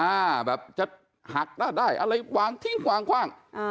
อ่าแบบจะหักได้อะไรวางทิ้งวางอ่า